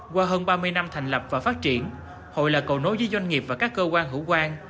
qua hơn ba mươi năm thành lập và phát triển hội là cầu nối với doanh nghiệp và các cơ quan hữu quan